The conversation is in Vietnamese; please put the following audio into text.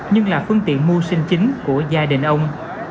nhưng là phương tiện mưu sinh chính của gia đình ông